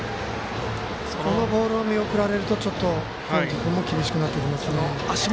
このボールを見送られると黒木君も厳しくなってきますね。